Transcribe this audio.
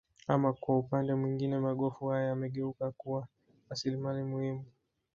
Ama kwa upande mwingine magofu haya yamegeuka kuwa rasilimali muhimu